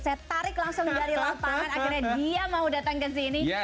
saya tarik langsung dari lapangan akhirnya dia mau datang ke sini